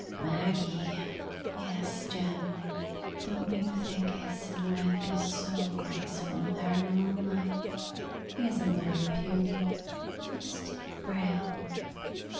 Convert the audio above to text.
"Maggie." "Yes, Jim. Don't you think his silhouette is so graceful there in the moonlight? He isn't really puny just frail."